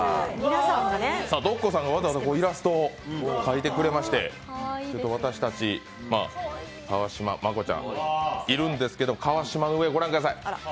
ｄｏｃｃｏさんがわざわざイラストを描いてくれまして、私たち、川島、真子ちゃんいるんですけれども川島の上ご覧ください。